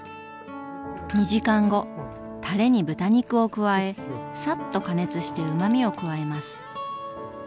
２時間後タレに豚肉を加えサッと加熱してうまみを加えます。